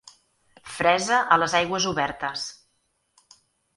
Fresa a les aigües obertes.